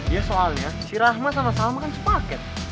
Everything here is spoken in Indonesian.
iya soalnya si rahma sama salma kan sepaket